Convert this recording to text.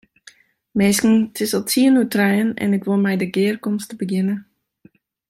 Minsken, it is al tsien oer trijen en ik wol mei de gearkomste begjinne.